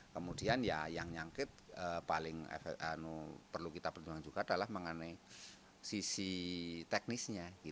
kemudian ya yang nyangkit paling perlu kita perjuangkan juga adalah mengenai sisi teknisnya